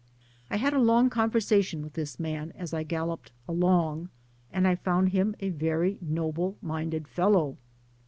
I had a long conversation with this man as I galloped along, and I found him a very noble minded fellow.